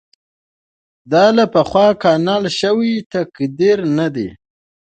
دا له پخوا ټاکل شوی تقدیر نه دی.